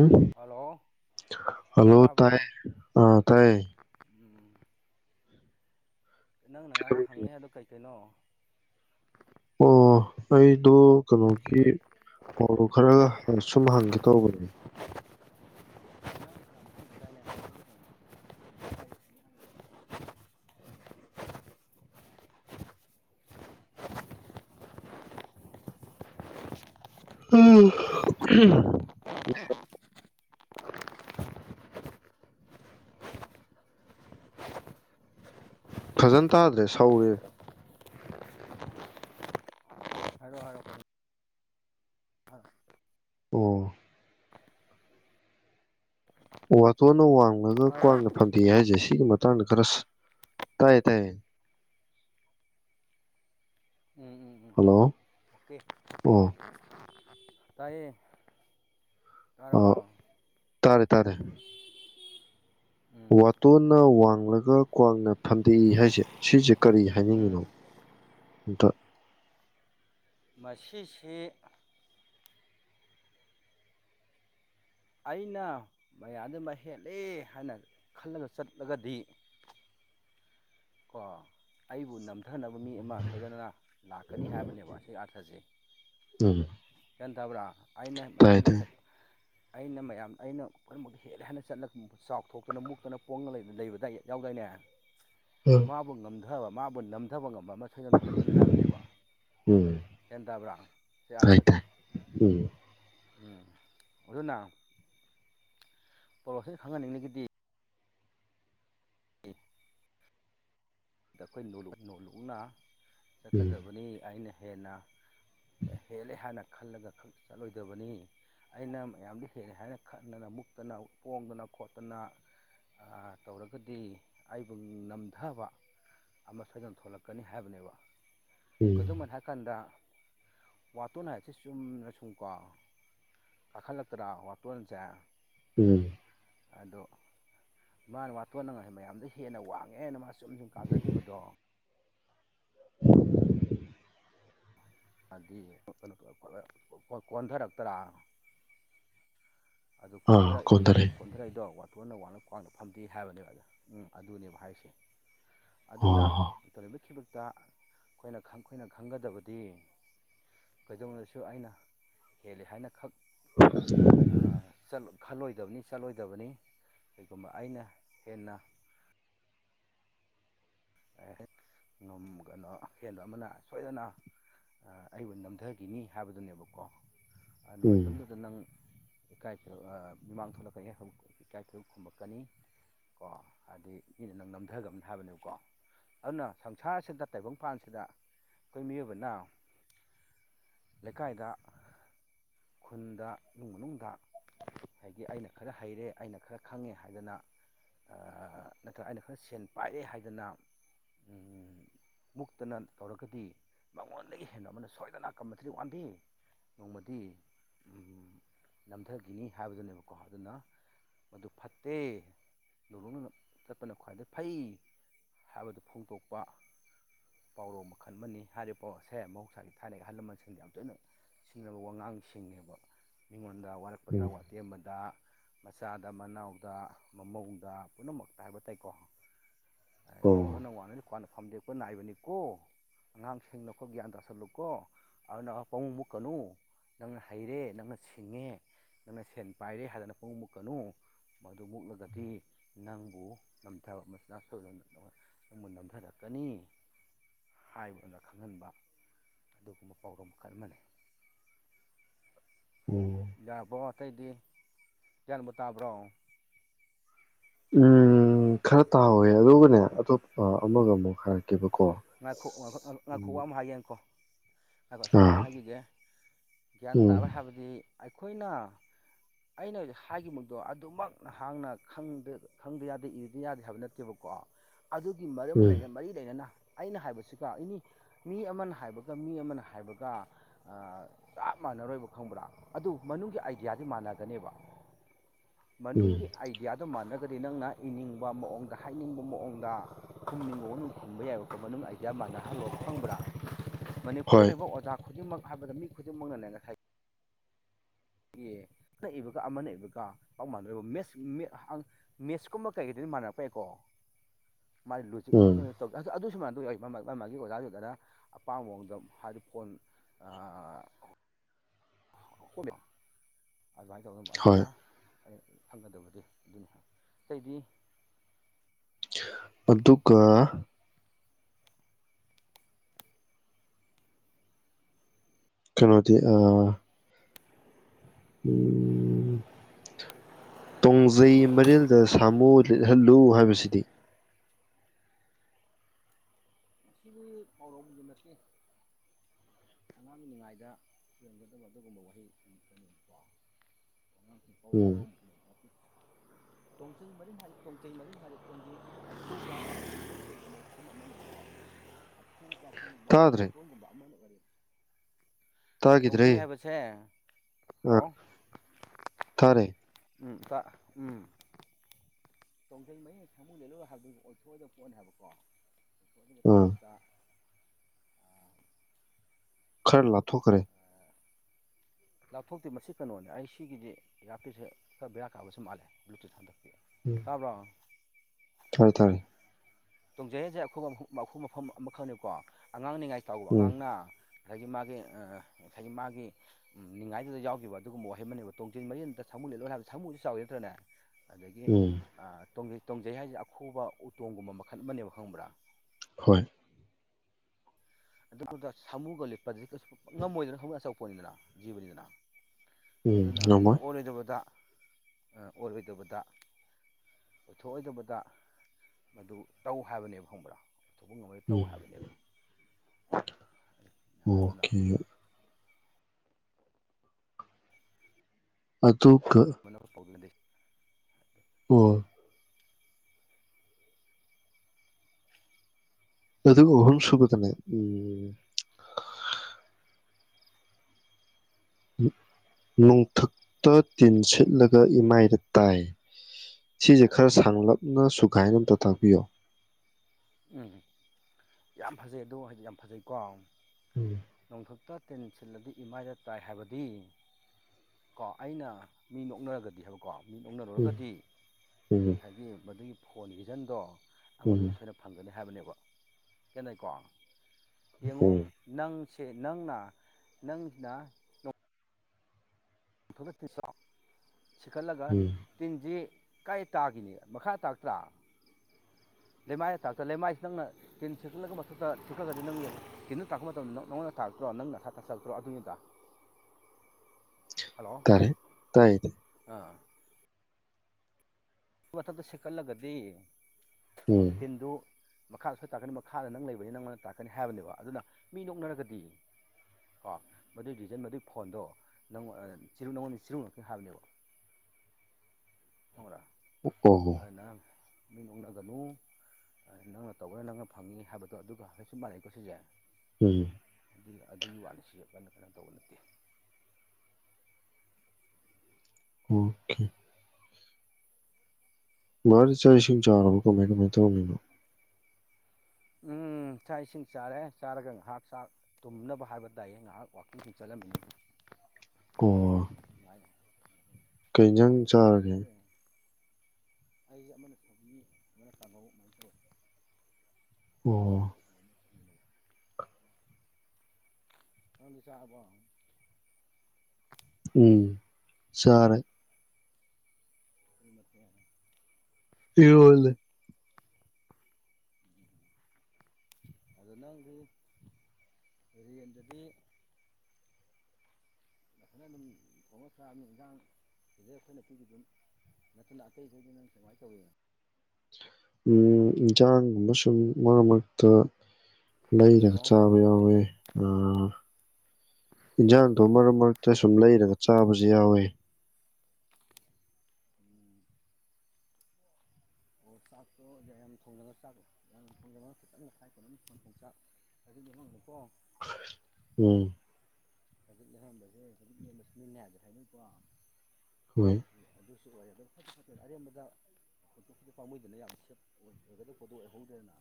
ꯎꯝ hello ꯅꯊꯣꯏ hello ꯇꯥꯏꯑꯦ ꯇꯥꯕ꯭ꯔꯣ ꯑꯥ ꯇꯥꯏꯑꯦ꯫ ꯎꯝ ꯅꯪꯅ ꯉꯔꯥꯡ ꯍꯪꯅꯤ ꯍꯥꯏꯗꯨ ꯀꯩ ꯀꯩꯅꯣ꯫ ꯑꯣ ꯑꯩꯗꯣ ꯀꯩꯅꯣꯒꯤ ꯄꯥꯎ ꯈꯔ ꯁꯨꯝ ꯍꯪꯒꯦ ꯇꯧꯕꯅꯦ꯫ [unintelligible] ꯐꯖꯟ ꯇꯥꯗ꯭ꯔꯦ ꯁꯧꯔꯦ꯫ ꯍꯥꯢꯔꯑꯣ ꯍꯥꯏꯔꯣ꯫ [unintelligible] ꯑꯣ꯫ ꯋꯥꯇꯣꯟꯅ ꯋꯥꯡ ꯉ ꯀ꯭ꯋꯥꯛꯅ ꯇꯥꯔꯕꯣ ꯐꯝꯗꯦꯛꯢ ꯍꯥꯏꯖꯦ ꯁꯤ ꯒꯤ ꯃꯇꯥꯡꯗ ꯈꯔ ꯇꯢꯌꯦ ꯇꯢꯌꯦ꯫ ꯎꯝ ꯎꯝ ꯎꯝ ꯍꯜꯂꯣ ꯑꯣꯀꯦ ꯑꯣ꯫ ꯇꯥꯏꯌꯦ꯫ ꯇꯥꯔꯕꯣ ꯑꯥ ꯇꯥꯔꯦ ꯇꯥꯔꯦ꯫ ꯎꯝ ꯋꯥꯇꯣꯟꯅ ꯋꯥꯡꯂꯒ ꯀ꯭ꯋꯥꯛꯅ ꯐꯝꯗꯦꯛꯢ ꯍꯥꯏꯁꯦ ꯁꯤꯖꯦ ꯀꯔꯤ ꯎꯝ ꯍꯥꯏꯅꯤꯡꯉꯤꯅꯣ ꯑꯇ ꯃꯁꯤꯁꯤ ꯑꯩꯅ ꯃꯌꯥꯗꯨꯃ ꯍꯦꯜꯂꯦ ꯍꯥꯏꯅ ꯈꯜꯂꯒ ꯆꯠꯂꯒꯗꯤ ꯀ ꯑꯩꯕꯨ ꯅꯝꯊꯅꯕ ꯃꯤ ꯑꯃ ꯁꯣꯏꯗꯅꯅ ꯂꯥꯛꯀꯅꯤ ꯍꯥꯏꯕꯅꯦꯕ ꯁꯤ ꯑꯥꯔꯊꯁꯦ ꯎꯝ ꯩꯟ ꯇꯕ꯭ꯔꯥ ꯑꯩꯅ ꯃꯍꯦꯛ ꯇꯥꯏ ꯇꯥꯏ ꯆ ꯑꯩꯅ ꯃꯌꯥꯝ ꯑꯩꯅ ꯄꯨꯝꯅꯃꯛꯇ ꯍꯦꯜꯂ ꯍꯦꯟꯅ ꯆꯠꯂꯒ ꯆꯥꯎꯊꯣꯛꯇꯅ ꯃꯨꯛꯇꯅ ꯄꯣꯡꯉ ꯂꯩꯕꯗꯏ ꯌꯥꯎꯗꯣꯏꯅꯦ ꯎꯝ ꯃꯥꯕꯨ ꯉꯝꯗ ꯃꯥꯕꯨ ꯅꯝꯊꯕ ꯉꯝ ꯂꯛꯀꯅꯤ ꯍꯥꯏꯕꯅꯦꯕ ꯎꯝ ꯍꯌꯥꯦꯟ ꯇꯥꯕ꯭ꯔꯥ ꯁꯤ ꯇꯥꯏ ꯑꯥꯊꯁꯦ ꯇꯥꯏ ꯎꯝ ꯎꯝ ꯑꯗꯨꯅ ꯄꯂꯣꯁꯤ ꯈꯪꯍꯟꯅꯤꯡꯉꯤꯒꯤꯗꯤ ꯑꯗꯨꯗ ꯑꯩꯈꯣꯏꯨ ꯅꯣꯂꯨꯛꯅ ꯎꯝ ꯆꯠꯀꯗꯕꯅꯤ ꯑꯩꯅ ꯍꯦꯟꯅ ꯍꯦꯜꯂꯦ ꯍꯥꯏꯅ ꯈꯜꯂꯒ ꯆꯠꯂꯣꯏꯗꯕꯅꯤ ꯑꯩꯅ ꯃꯌꯥꯝꯗꯨ ꯍꯦꯜꯂꯦ ꯍꯥꯏꯅ ꯈꯟꯗꯅ ꯃꯨꯛꯇꯅ ꯄꯣꯡꯗꯅ ꯈꯣꯠꯇꯅ ꯇꯧꯔꯒꯗꯤ ꯑꯩꯕꯨ ꯅꯝꯊꯕ ꯑꯃ ꯁꯣꯏꯗꯅ ꯊꯣꯛꯂꯛꯀꯅꯤ ꯍꯥꯏꯕꯅꯦꯕ ꯎꯝ ꯈꯨꯣꯏꯗꯝ ꯑꯣꯏꯅ ꯍꯥꯏꯔꯀꯥꯟꯗ ꯋꯥꯇꯣꯟ ꯍꯥꯏꯁ ꯆꯨꯝꯅ ꯁꯨꯝꯀꯣ ꯀꯥꯈꯠꯂꯛꯇ꯭ꯔꯥ ꯋꯥꯇꯣꯟꯁꯦ ꯎꯝ ꯑꯗꯣ ꯃꯥꯅ ꯋꯥꯇꯣꯟꯅꯉꯥꯏ ꯃꯌꯥꯝꯗ ꯍꯦꯟꯅ ꯋꯥꯡꯉꯦꯅ ꯃꯥ ꯆꯨꯝꯅ ꯁꯨꯝ ꯀꯥꯖꯈꯤꯕꯗꯣ ꯍꯥꯏ ꯀꯣꯟꯊꯔꯛꯇ꯭ꯔꯥ ꯑꯗꯨ ꯑꯥ ꯀꯣꯟꯊꯔꯛꯏꯦ ꯑꯗꯨ ꯀꯣꯟꯊꯔꯦ ꯀꯣꯟꯊꯔꯛꯏꯣ ꯋꯥꯇꯣꯟꯅ ꯋꯥꯅ ꯀ꯭ꯥꯛꯅ ꯐꯝꯗꯦ ꯍꯥꯏꯕꯅꯦꯕ ꯑꯗ ꯎꯝ ꯑꯗꯨꯅꯦꯕ ꯍꯥꯏꯁꯦ ꯑꯗꯨꯅ ꯑꯣ ꯇꯣꯏꯝꯕꯤꯈꯤꯕ ꯑꯩꯈꯣꯏꯅ ꯑꯩꯈꯣꯏꯅ ꯈꯪꯒꯗꯕꯗꯤ ꯀꯩꯗꯧꯗꯁꯨ ꯑꯩꯅ ꯍꯦꯜꯂꯤ ꯍꯥꯏꯅ ꯈꯛ [unintelligible] ꯈꯜꯂꯣꯏꯗꯕꯅꯤ ꯆꯠꯂꯣꯏꯗꯕꯅꯤ ꯀꯩꯒꯨꯝꯕ ꯑꯩꯅ ꯍꯦꯟꯅ ꯀꯩꯅꯣ ꯍꯦꯟꯕ ꯑꯃꯅ ꯁꯣꯏꯗꯅ ꯑꯩꯕꯨ ꯅꯝꯊꯈꯤꯅꯤ ꯍꯥꯏꯕꯗꯨꯅꯦꯕꯀꯣ ꯑꯗꯨꯅ ꯎꯝ ꯃꯇꯝꯗꯨꯗ ꯅꯪ ꯏꯀꯥꯏ ꯃꯤꯃꯥꯡ ꯊꯣꯛꯂꯛꯀꯅꯤ ꯏꯀꯥꯏ ꯈꯔ ꯈꯨꯝꯃꯛꯀꯅꯤ ꯀꯣ ꯍꯥꯏꯗꯤ ꯃꯤꯅ ꯅꯪ ꯅꯝꯊꯒꯕꯅꯤ ꯍꯥꯏꯕꯅꯦꯕꯀꯣ ꯑꯗꯨꯅ ꯁꯪꯁꯥꯔꯁꯤꯗ ꯇꯥꯏꯕꯪꯄꯥꯟꯁꯤꯗ ꯑꯩꯈꯣꯏ ꯃꯤꯑꯣꯏꯕꯅ ꯂꯩꯀꯥꯏꯗ ꯈꯨꯟꯗ ꯏꯃꯨꯡ ꯃꯅꯨꯡꯗ ꯍꯥꯏꯗꯤ ꯑꯩꯅ ꯈꯔ ꯍꯩꯔꯦ ꯑꯩꯅ ꯈꯔ ꯈꯪꯉꯦ ꯍꯥꯏꯗꯅ ꯅꯠꯇ꯭ꯔꯒ ꯑꯩꯅ ꯈꯔ ꯁꯦꯟ ꯄꯥꯏꯔꯦ ꯍꯥꯏꯗꯅ ꯃꯨꯛꯇꯅ ꯇꯧꯔꯒꯗꯤ ꯃꯉꯣꯟꯗꯒꯤ ꯍꯦꯟꯅ ꯑꯃꯅ ꯁꯣꯏꯗꯅ ꯀ ꯃꯊ꯭ꯗꯤ ꯋꯥꯟꯗꯦ ꯅꯣꯡꯃꯗꯤ ꯅꯝꯊꯈꯤꯅꯤ ꯍꯥꯏꯕꯗꯨꯅꯦꯕꯀꯣ ꯑꯗꯨꯅ ꯃꯗꯨ ꯐꯠꯇꯦ ꯂꯨꯂꯣꯛꯅ ꯆꯠꯄꯅ ꯈ꯭ꯋꯥꯏꯗꯩ ꯐꯩ ꯍꯥꯏꯕꯗꯨ ꯐꯣꯡꯗꯣꯛꯄ ꯄꯥꯎꯔꯧ ꯃꯈꯜ ꯑꯃꯅꯤ ꯍꯥꯏꯔꯤꯕ ꯄꯥꯎ ꯑꯁꯦ ꯃꯍꯧꯁꯥꯒꯤ ꯊꯥꯏꯅꯒꯤ ꯑꯍꯜ ꯂꯃꯟꯁꯤꯡꯗ ꯌꯥꯝ ꯇꯣꯏꯅ ꯁꯤꯡꯅꯕ ꯋꯥꯉꯥꯡꯁꯤꯡꯅꯦꯕ ꯃꯤꯉꯣꯟꯗ ꯋꯥꯔꯛꯄꯗ ꯎꯝ ꯋꯥꯇꯦꯝꯕꯗ ꯃꯆꯥꯗ ꯃꯅꯥꯎꯗ ꯃꯃꯧꯗ ꯄꯨꯝꯅꯃꯛꯇ ꯍꯥꯏꯕ ꯇꯥꯏꯀꯣ ꯑ ꯑꯣ ꯑꯅ ꯋꯥꯡ ꯀꯅ ꯐꯝꯗꯦꯛꯄ ꯅꯥꯏꯕꯅꯤꯀꯣ ꯑꯉꯥꯡꯁꯤꯡꯅ ꯑꯩꯈꯣꯏ ꯒ꯭ꯌꯥꯟ ꯇꯥꯥꯁꯜꯂꯨꯀꯣ ꯑꯗꯨꯅ ꯄꯥꯃꯨꯡ ꯃꯨꯛꯀꯅꯨ ꯅꯪꯅ ꯍꯩꯔꯦ ꯅꯪꯅ ꯁꯤꯡꯉꯦ ꯅꯪꯅ ꯁꯦꯟ ꯄꯥꯏꯔꯦ ꯍꯥꯏꯗꯅ ꯄꯥꯉꯨꯡ ꯃꯨꯛꯀꯅꯨ ꯃꯗꯨ ꯃꯨꯛꯂꯒꯗꯤ ꯅꯪꯕꯨ ꯅꯝꯊꯕ ꯃꯗ ꯁꯣꯏꯗ ꯅꯪꯉꯕꯨꯣꯟ ꯅꯝꯊꯔꯛꯀꯅꯤ ꯍꯥꯏꯕꯗꯨꯗ ꯈꯪꯍꯟꯕ ꯑꯗꯨꯒꯨꯝꯕ ꯄꯥꯎꯗꯝ ꯃꯈꯜ ꯑꯃꯅꯤ ꯎꯝ ꯌꯥꯕꯧ ꯑꯇꯩꯗꯤ ꯆꯟꯕꯨ ꯇꯥꯕ꯭ꯔꯣ ꯎꯝ ꯈꯔ ꯇꯥꯎꯍꯋꯦ ꯑꯗꯨꯒꯕꯨꯅꯦ ꯑꯇꯣꯞꯄ ꯑꯃꯒ ꯑꯃꯨꯛ ꯍꯥꯏꯔꯛꯀꯦꯕ ꯉꯥꯏ ꯉꯥꯏ ꯈꯨ ꯑꯃ ꯍꯥꯏꯌꯦꯅꯀꯣ ꯑꯗ ꯑꯁꯨꯝꯕ ꯑꯃ ꯑꯥ ꯍꯥꯏꯖꯒꯦ ꯒ꯭ꯌꯥꯟ ꯎꯝ ꯇꯥꯕ ꯍꯥꯏꯕꯗꯤ ꯑꯩꯈꯣꯏꯅ ꯑꯩꯅ ꯍꯥꯏꯈꯤꯕ ꯃꯗꯣ ꯑꯗꯨꯃꯛ ꯅꯍꯥꯛꯅ ꯈꯪꯗ ꯌꯥꯗꯦ ꯏꯗ ꯌꯥꯗꯦ ꯍꯥꯏꯕ ꯅꯠꯇꯦꯕꯀꯣ ꯑꯗꯨꯒꯤ ꯃꯔꯝ ꯎꯝ ꯂꯩ ꯃꯔꯤ ꯂꯩꯅꯅ ꯑꯩꯅ ꯍꯥꯏꯕꯁꯤꯒ ꯑꯦꯅꯤ ꯃꯤ ꯑꯃꯅ ꯍꯥꯏꯕꯒ ꯃꯤ ꯑꯃꯅ ꯍꯥꯏꯕꯒ ꯆꯞ ꯃꯥꯟꯅꯔꯣꯏꯕ ꯈꯪꯕ꯭ꯔꯥ ꯑꯗꯨ ꯃꯅꯨꯡꯒꯤ ꯑꯥꯏꯗꯤꯌꯥꯗꯤ ꯃꯥꯟꯅꯒꯅꯦꯕ ꯃꯅꯨꯡꯒꯤ ꯎꯝ ꯑꯥꯏꯗꯤꯌꯥꯗꯣ ꯃꯥꯟꯅꯒ ꯗꯤ ꯅꯪꯅ ꯏꯅꯤꯡꯕ ꯃꯑꯣꯡꯗ ꯍꯥꯏꯅꯤꯡꯕ ꯃꯑꯣꯡꯗ ꯈꯨꯝꯅꯤꯡꯕ ꯈꯟꯕ ꯌꯥꯏꯕ ꯃꯅꯨꯡ ꯑꯥꯏꯗꯤꯌꯥ ꯃꯥꯟꯅꯍꯜꯂꯣꯕ ꯈꯪꯕ꯭ꯔꯥ ꯃꯅꯤꯄꯨꯔꯗ ꯍꯣꯏ ꯂꯩꯕ ꯑꯣꯖꯥ ꯈꯨꯗꯤꯡꯃꯛ ꯍꯥꯏꯕꯗ ꯃꯤ ꯈꯨꯗꯤꯡꯃꯛꯅꯅꯦ ꯉꯁꯥꯏ ꯑꯩꯒꯤꯅ ꯏꯕꯒ ꯑꯃꯅ ꯏꯕꯒ ꯄꯥꯎ ꯃꯥꯟꯅꯔꯤꯕꯦꯠ ꯃꯦꯠꯁꯀꯨꯝꯕ ꯀꯩꯀꯩꯗꯗꯤ ꯃꯥꯟꯅꯔꯛꯄ ꯌꯥꯏꯀꯣ ꯃꯥꯒꯤ ꯂꯣꯖꯤꯛ ꯎꯝ ꯑꯗꯨꯁꯨ ꯃꯥꯟꯅꯗꯦ ꯑꯗꯨ ꯃꯥꯒꯤ ꯑꯣꯖꯥꯗꯨꯗꯅ ꯑꯄꯥꯝꯕ ꯃꯑꯣꯡꯗ ꯍꯥꯏꯗꯤ ꯐꯣꯟ [unintelligible] ꯑꯗꯨꯃꯥꯏꯅ ꯇꯧꯅ ꯍꯣꯏ ꯑꯗꯨꯅ ꯈꯪꯒꯗꯕꯗꯤ ꯑꯗꯨꯅꯤ ꯑꯇꯩꯗꯤ ꯑꯗꯨꯒ ꯀꯩꯅꯣꯗꯤ ꯑꯥ ꯇꯣꯡꯖꯩ ꯃꯔꯤꯦꯜꯗ ꯁꯥꯃꯨ ꯂꯤꯠꯍꯜꯂꯨ ꯍꯥꯏꯕꯁꯤꯗꯤ ꯃꯁꯤꯒꯤ ꯄꯥꯎꯔꯥꯎꯗꯤ ꯅꯦ ꯑꯉꯥꯡꯒꯤ ꯅꯤꯡꯉꯥꯏꯗ ꯁꯦꯝꯒꯗꯕ ꯑꯗꯨꯒꯨꯝꯕ ꯋꯥꯍꯩꯇꯅꯤꯕꯀꯣ ꯑꯉꯥꯡꯒꯤ ꯄꯥꯔꯎ ꯎꯝ ꯄꯥꯔꯎ ꯇꯣꯡꯊꯩ ꯃꯔꯤ ꯇꯣꯡꯊꯩ ꯃꯔꯤꯟ ꯍꯥꯏꯔꯤ ꯇꯣꯟꯒꯤ ꯋꯥꯇꯣꯟ ꯒꯨꯝꯕ ꯑꯃꯅ ꯇꯒꯤꯗ꯭ꯔꯦ ꯍꯥꯏꯕꯁꯦ ꯑ ꯍꯜꯂꯣ ꯇꯥꯔꯦ ꯎꯝ ꯇ ꯎꯝ ꯇꯣꯡꯖꯩ ꯃꯩꯅ ꯊꯃꯨꯗ ꯂꯣꯏ ꯍꯥꯏꯕ ꯑꯣꯏꯊꯣꯛꯑꯏꯗꯕ ꯄꯣꯠꯅꯦ ꯑꯥ ꯍꯥꯏꯕꯀꯣ [unintelligible] ꯈꯔ ꯂꯥꯞꯊꯣꯛꯈ꯭ꯔꯦ ꯂꯥꯞꯊꯣꯛꯇꯦ ꯃꯁꯤ ꯀꯩꯅꯣꯅꯦ ꯑꯩ ꯁꯤꯒꯤꯗꯤ ꯌꯥꯔꯄꯤꯁꯁꯦ ꯈꯔ ꯕꯦꯔꯥ ꯀꯥꯕꯁꯨ ꯃꯥꯜꯂꯦ ꯕ꯭ꯨꯂꯇꯨꯠ ꯍꯟꯗꯛꯇ ꯎ ꯐꯔꯦ ꯊꯔꯦ ꯇꯣꯡꯖꯩꯁꯦ ꯑꯩꯈꯨꯕ ꯃꯐꯝ ꯑꯃꯈꯛꯅꯤꯀꯣ ꯑꯉꯥꯡꯅꯤꯉꯥꯏ ꯇꯥꯎꯕ ꯎꯝ ꯑꯉꯥꯡꯅ ꯑꯗꯒꯤ ꯃꯥꯒꯤ ꯉꯁꯥꯏꯒꯤ ꯃꯥꯒꯤ ꯅꯤꯡꯉꯥꯏꯗꯨꯗ ꯌꯥꯎꯈꯤꯕ ꯑꯗꯨꯒꯨꯝꯕ ꯋꯥꯍꯩ ꯑꯃꯅꯦꯕ ꯇꯣꯡꯖꯤꯟ ꯃꯔꯤ ꯑꯃꯗ ꯁꯃꯨ ꯂꯦꯟꯂꯣꯅ ꯍꯥꯏꯕꯗ ꯁꯪꯃꯨꯁꯨ ꯆꯥꯎꯋꯦ ꯅꯠꯇ꯭ꯔꯅꯦ ꯑꯗꯒꯤ ꯎꯝ ꯑ ꯇꯣꯟꯖꯩ ꯇꯣꯡꯖꯩ ꯍꯥꯏꯁꯦ ꯑꯈꯨꯕ ꯎꯇꯣꯡꯒꯨꯝꯕ ꯃꯈꯜ ꯑꯃꯅꯦꯕ ꯈꯪꯕ꯭ꯔꯥ ꯍꯣꯏ ꯑꯗꯨꯗ ꯁꯥꯃꯨꯒ ꯂꯦꯞꯄꯗꯗꯤ ꯀꯩꯁꯨ ꯉꯝꯃꯣꯏꯗꯅ ꯁꯥꯃꯨ ꯑꯆꯧꯕꯄꯣꯠꯅꯤꯗꯅ ꯖꯤꯕꯅꯤꯗꯅ ꯎꯝ ꯑꯗꯨꯅ ꯉꯝꯃꯣꯏ ꯑꯣꯜꯔꯣꯏꯗꯕꯗ ꯑꯣꯏꯔꯣꯏꯗꯕꯗ ꯑꯣꯏꯊꯣꯛꯑꯣꯏꯗꯕꯗ ꯃꯗꯨ ꯇꯧ ꯍꯥꯏꯕꯅꯦꯕ ꯈꯪꯕ꯭ꯔꯥ ꯄꯨꯊꯧꯕ ꯉꯝꯃꯒ ꯇꯧ ꯎꯝ ꯍꯥꯏꯕꯅꯦꯕ ꯑꯗꯨꯅ ꯑꯣꯀꯦ ꯍꯣꯏ ꯃꯩꯅ ꯄꯥꯎꯦ ꯑꯣ ꯑꯗꯨ ꯑꯗꯨ ꯑꯣꯍꯨꯝ ꯁꯕꯗꯥꯅꯦ ꯎꯝ ꯅꯣꯡꯊꯛꯇ ꯇꯤꯟ ꯁꯤꯠꯂꯒ ꯏꯃꯥꯏꯗ ꯇꯥꯏ ꯁꯤꯁꯦ ꯈꯔ ꯁꯥꯡꯂꯞꯅ ꯁꯨꯒꯥꯏꯅ ꯑꯝꯇ ꯇꯥꯛꯄꯤꯌꯣ ꯎꯝ ꯌꯥꯝ ꯐꯖꯩ ꯑꯗꯨꯣ ꯍꯥꯏꯗꯤ ꯌꯥꯝ ꯐꯖꯩꯀꯣ ꯎꯝ ꯙꯨꯞꯇꯥꯥ ꯇꯦꯟꯁꯤꯜꯂꯗꯤ ꯏꯃꯥꯏꯗ ꯇꯥꯏ ꯍꯥꯏꯕꯗꯤ ꯀꯣ ꯑꯩꯅ ꯃꯤ ꯅꯣꯛꯅꯔꯒꯗꯤ ꯍꯥꯏꯕꯀꯣ ꯃꯤꯠ ꯎꯝ ꯅꯣꯛꯅꯔꯨꯔꯒꯗꯤ ꯎꯝ ꯉꯁꯥꯏꯒꯤ ꯃꯗꯨꯒꯤ ꯐꯣꯟ ꯍꯖꯟꯗꯣ ꯎꯝ ꯑꯉꯗ ꯅꯤ ꯍꯥꯏꯕꯅꯦꯕ ꯀꯦꯟꯅꯩꯀꯣ ꯌꯦꯡꯉꯨ ꯎꯝ ꯅꯪ ꯁ ꯅꯪꯅ ꯅꯪꯅ ꯐꯗꯛꯇꯁꯥ ꯁꯤꯈꯠꯂꯒ ꯎꯝ ꯇꯤꯟꯖ ꯀꯥꯏ ꯇꯥꯈꯤꯅꯤ ꯃꯈꯥꯗ ꯇꯥꯛꯛꯇ꯭ꯔꯥ ꯂꯩꯃꯥꯏꯗ ꯇꯥꯛꯇꯥ ꯂꯩꯃꯥꯏꯁꯤ ꯅꯪꯅ ꯇꯤꯟꯛꯂꯒ ꯃꯊꯛꯇ ꯊꯛꯂꯒꯗꯤ ꯅꯪꯅ ꯇꯤꯟꯗꯨ ꯇꯥꯛꯄ ꯃꯇꯝꯗ ꯅꯪꯉꯣꯟꯗ ꯇꯥꯛꯛꯇ꯭ꯔꯣ ꯅꯪꯅ ꯅꯁꯥ ꯇꯛꯊꯂꯛꯇ꯭ꯔꯣ ꯑꯗꯨꯅꯤꯗ ꯍꯜꯂꯣ ꯇꯥꯔꯦ ꯇꯥꯏꯌꯦ ꯑꯥ ꯑꯗꯨ ꯃꯊꯛꯇ ꯁꯦꯀꯠꯂꯒꯗꯤ ꯎꯝ ꯍꯤꯟꯗꯨ ꯃꯈꯥꯗ ꯁ꯭ꯋꯥꯏ ꯇꯥꯛꯀꯅꯤ ꯃꯈꯥꯗ ꯅꯪ ꯂꯩꯕꯅꯤ ꯅꯪꯉꯣꯟꯗ ꯇꯥꯛꯀꯅꯤ ꯍꯥꯏꯕꯅꯦꯕ ꯑꯗꯨꯅ ꯃꯤ ꯅꯣꯛꯅꯔꯒꯗꯤ ꯀꯣ ꯃꯗꯨꯏ ꯔꯤꯖꯟ ꯃꯗꯨꯒꯤ ꯐꯣꯟꯗꯣ ꯅꯪ ꯅꯪꯉꯣꯟꯗ ꯆꯤꯔꯨꯉꯛꯀꯅꯤ ꯍꯥꯏꯕꯅꯦꯕ ꯈꯪꯕ꯭ꯔꯥ ꯑꯣꯀꯣ ꯑꯗꯨꯅ ꯃꯤ ꯅꯣꯛꯅꯒꯅꯨ ꯅꯪꯅ ꯇꯧ ꯅꯪꯅ ꯐꯪꯉꯤ ꯍꯥꯏꯕꯗꯣ ꯑꯗꯨꯒ ꯍꯥꯏꯁꯨ ꯃꯥꯥꯟꯅꯩꯀꯣ ꯁꯤꯁꯦ ꯎꯝ ꯑꯗꯨ ꯑꯗꯨꯒꯤ ꯋꯥꯅꯤ ꯆꯦꯞꯅ ꯀꯩꯅꯣ ꯇꯧꯕ ꯅꯠꯇꯦ ꯑꯣꯀꯦ ꯃꯗꯤ ꯆꯁꯤꯡ ꯆꯥꯕ ꯀ ꯊꯅꯣ ꯎꯝ ꯆꯥꯛ ꯏꯁꯤꯡ ꯆꯥꯔꯦ ꯆꯥꯔꯒ ꯉꯥꯏꯍꯥꯛ ꯆꯥꯛ ꯊꯨꯝꯅꯕ ꯍꯥꯏꯕ ꯇꯥꯏꯌꯦ ꯉꯥꯏꯍꯥꯛ ꯋꯥꯛꯀꯤꯡꯁꯤꯡ ꯆꯠꯂꯝꯃꯤꯅꯤꯅ ꯀꯣ ꯀꯩꯖꯪ ꯅꯪ ꯆꯥꯔꯕꯣ ꯆꯥꯔꯒꯦ ꯅꯪꯗꯤ ꯑꯩꯁꯦ ꯑꯃꯅ ꯊꯧꯅꯤꯡꯉꯤ ꯑꯃꯅ ꯇꯥꯡꯍꯧꯕ ꯑꯗꯨꯃꯥꯏꯅ ꯇꯧꯋꯤ ꯑꯣ ꯍ ꯆꯕ ꯎꯝ ꯁꯥꯔꯦ ꯌꯥꯔꯦ ꯍꯂ ꯑꯗꯨ ꯅꯪꯗꯤ ꯔꯔꯤꯌꯦꯟꯗꯗꯤ ꯑꯩꯈꯣꯏꯅ ꯑꯗꯨꯝ ꯊꯣꯡꯅ ꯆꯥꯃꯤ ꯏꯟꯖꯥꯡ ꯁꯤꯗꯩ ꯑꯩꯈꯣꯏꯅ ꯄꯤꯕ ꯑꯗꯨꯝ ꯅꯠꯇꯅ ꯑꯇꯩꯁꯤꯗꯤ ꯅꯪ ꯀꯃꯥꯏꯅ ꯇꯧꯋꯤ ꯎ ꯏꯟꯁꯥꯡꯒꯨꯝꯕ ꯁꯨꯝ ꯃꯔꯛ ꯃꯔꯛꯇ ꯂꯩꯔꯒ ꯍꯜꯂꯣ ꯆꯥꯕ ꯌꯥꯎꯋꯦ ꯑ ꯏꯟꯖꯥꯡꯗꯣ ꯃꯔꯛ ꯃꯔ ꯍ ꯁꯨꯝ ꯂꯩꯔꯒ ꯆꯥꯕꯁꯨ ꯌꯥꯎꯋꯦ ꯎꯝ ꯑꯣ ꯆꯥꯛꯇꯣ ꯌꯥꯝ ꯊꯣꯡꯅꯕ ꯆꯥꯛ ꯌꯥꯝ ꯊꯣꯡꯕ ꯈꯤꯇꯪ ꯈꯥꯏꯄꯣ ꯑꯗꯨꯝ ꯊꯣꯡ ꯆꯥꯛ ꯑꯗꯨꯗꯀꯣ ꯎꯝ ꯈꯖꯤꯛ ꯂꯦꯝꯍꯕꯁꯦ ꯈꯖꯤꯛ ꯌꯦꯕꯁꯨ ꯃꯤꯟꯅ ꯍꯥꯏꯗ꯭ꯔꯦ ꯍꯥꯏꯅꯩꯀꯣ ꯍꯣꯏꯣꯏ ꯁꯨ ꯑꯣꯏ ꯑꯣ ꯐꯖꯦ ꯐꯠꯇꯦ ꯑꯔꯦꯝꯕꯗ ꯍꯨꯇꯣꯛꯁꯤꯗꯤ ꯄꯥꯃꯩꯗꯅ ꯌꯥꯝ ꯁꯦꯞ ꯑꯣꯏꯒꯗꯕ ꯄꯣꯠꯇꯣ ꯑꯣꯏꯍꯧꯗ꯭ꯔꯦꯅ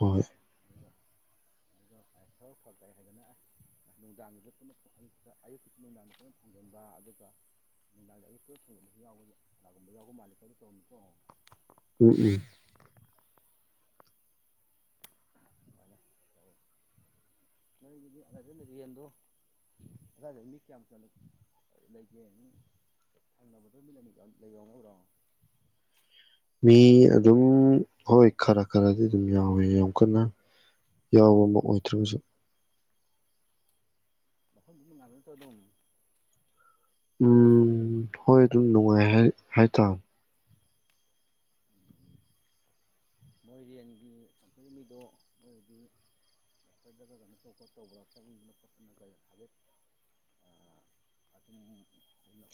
ꯍꯣꯏ ꯥꯏ ꯍꯥꯏꯗꯅ ꯅꯨꯡꯗꯥꯡꯒꯤ ꯑꯌꯨꯛꯟꯅ ꯑꯌꯨ ꯑꯌꯨꯛꯀꯤ ꯅꯨꯡꯗꯥꯡꯗ ꯄꯨꯟꯅ ꯐꯣꯡꯖꯤꯟꯕ ꯑꯗꯨꯒ ꯅꯨꯡꯗꯥꯡꯗ ꯑꯌꯨꯛꯟꯅ ꯐꯣꯡꯖꯤꯟꯕꯁꯨ ꯌꯥꯎꯕ ꯀꯅꯥꯒꯨꯝꯕ ꯌꯥꯎꯕ ꯃꯥꯜꯜꯂꯤ ꯈꯣ ꯇꯧꯔꯝꯃꯤꯀꯣ ꯎꯝ ꯎꯝ ꯑꯗꯨꯃꯥꯏꯅ ꯇꯋꯒꯤ ꯑ ꯂꯩ ꯌꯦꯟꯗꯣ ꯑꯗ ꯃꯤ ꯀꯌꯥꯃꯨꯛ ꯂꯩꯒꯦ ꯊꯪꯅꯕꯗꯣ ꯃꯤꯠ ꯑꯅꯤ ꯀꯌꯥꯃꯨ ꯂꯩ ꯌꯧꯅꯕ꯭ꯔꯣ ꯃꯤ ꯑꯗꯨꯝ ꯍꯣꯏ ꯈꯔ ꯈꯔꯗꯤ ꯑꯗꯨꯝ ꯌꯥꯎꯋꯦ ꯌꯥꯝ ꯀꯟꯅ ꯌꯥꯎꯕ ꯑꯃ ꯑꯣꯏꯗ꯭ꯔꯒꯁꯨ ꯂꯐꯝꯐꯝ ꯉꯗ ꯇ ꯑꯗꯨ ꯑꯗꯨꯝ ꯎꯝ ꯍꯣꯏ ꯑꯗꯨꯝ ꯅꯨꯡꯉꯥꯏ ꯍꯥꯏꯇꯥꯔꯣ ꯃꯣꯏꯔꯦꯟꯒꯤ ꯆꯪꯖꯔꯤꯕ ꯃꯤꯗꯣ ꯃꯣꯏꯗꯤ ꯐꯗꯒ ꯀꯩꯅꯣ ꯇꯧꯕ ꯈꯣꯠ ꯇꯧꯕ꯭ꯔꯥ ꯆꯠꯅꯤꯡꯗꯅ ꯈꯣꯠꯇꯅꯒ ꯍꯥꯏꯐꯦꯠ ꯑꯗꯨꯝꯟꯅ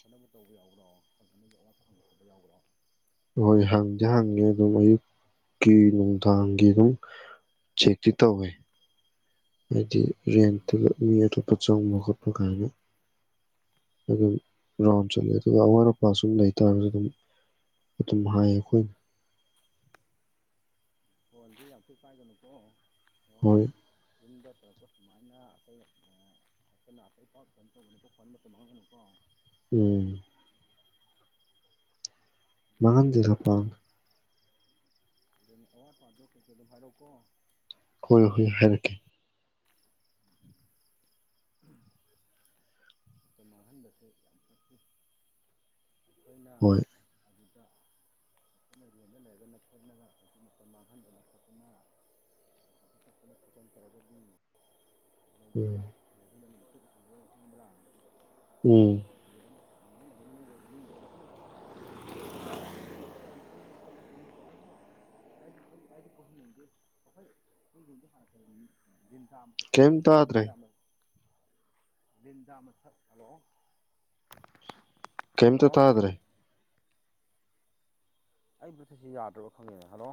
ꯈꯣꯠꯅꯕ ꯇꯧꯕ ꯌꯥꯎꯕ꯭ꯔꯣ ꯐꯖꯅꯒꯤ ꯑꯋꯥꯠ ꯐꯪꯕ ꯈꯕ ꯌꯥꯎꯕ꯭ꯔꯣ ꯍꯣꯏ ꯍꯪꯗꯤ ꯍꯪꯉꯦ ꯑꯗꯨꯝ ꯑꯌꯨꯛꯀꯤ ꯅꯨꯡꯗꯥꯡꯒꯤ ꯑꯗꯨꯝ ꯆꯦꯛꯇꯤ ꯇꯧꯋꯦ ꯍꯥꯏꯗꯤ ꯔꯦꯟꯇꯨꯗ ꯃꯤ ꯑꯇꯣꯞꯄ ꯆꯪꯕ ꯈꯣꯠꯄ ꯀꯥꯏꯅ ꯑꯗꯨꯝ ꯔꯥꯎꯟ ꯆꯠꯂ ꯑꯗꯨꯒ ꯑꯋꯥꯠ ꯑꯄꯥ ꯁꯨꯝ ꯂꯩꯇꯥꯥꯔꯒꯁꯨ ꯑꯗꯨꯝ ꯑꯗꯨꯝ ꯍꯥꯏꯌꯦ ꯑꯩꯈꯣꯏꯅ ꯍꯣꯏ ꯑꯗꯨ ꯌꯥꯝꯄꯤꯣꯏ ꯄꯥꯏꯒꯅꯨꯀꯣ ꯐꯣꯟꯅ ꯍꯣꯏ ꯌꯨꯝꯗ ꯇꯧꯔꯛꯄ ꯁꯨꯃꯥꯏꯅ ꯑꯇꯩ ꯑꯅ ꯑꯇꯩ ꯄ ꯀꯩꯅꯣ ꯇꯧꯒꯅꯨꯣ ꯈꯟꯕ ꯇꯝꯍꯧꯒꯅꯨꯀꯣ ꯎꯝ ꯃꯉꯟꯗ ꯍ ꯄꯥꯟ ꯚꯥꯔꯣꯀꯣ ꯍ ꯍ ꯍꯥꯏꯔꯛꯀꯦ ꯃꯥꯍꯁ ꯑꯩꯈꯣꯏꯅ ꯍꯣꯏ ꯑꯗꯨ ꯌꯦꯦꯟꯗ ꯂꯩꯔꯒꯅ ꯈꯦꯠꯂꯒ ꯃꯇꯝ ꯃꯥꯡꯍꯟꯗꯅ ꯈꯣꯠꯇꯅꯠꯇꯅ ꯇꯧꯔꯗ ꯎꯝ ꯈꯪꯕ꯭ꯔꯥ ꯎꯝ [inaudible] ꯤꯟꯇꯥ ꯑꯃꯕ ꯀꯩꯝ ꯖꯤꯤꯟꯇꯥ ꯇꯥꯗ꯭ꯔꯦ ꯑꯃ ꯟꯗꯥ ꯃꯊꯠ ꯍꯂꯣ ꯀꯩꯝꯇ ꯇꯥꯗ꯭ꯔꯦ ꯑꯩ ꯄꯣꯊꯛꯁꯤ ꯌꯥꯗ꯭ꯔꯕ ꯈꯪꯉꯦꯅꯦ ꯍꯜꯂꯣ